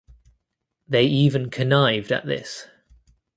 They even connived at this.